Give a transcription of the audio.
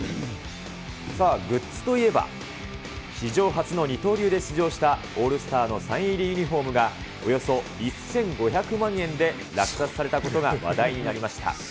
さあ、グッズといえば、史上初の二刀流で出場したオールスターのサイン入りユニホームが、およそ１５００万円で落札されたことが話題になりました。